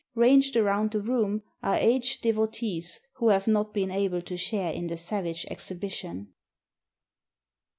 Ranged around the room are aged devotees who have not been able to share in the savage exhibition.